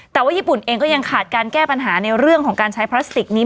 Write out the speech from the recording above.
แต่ว่าญี่ปุ่นเองก็ยังขาดการแก้ปัญหาในเรื่องของการใช้พลาสติกนี้